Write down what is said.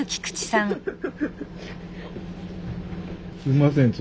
すいません。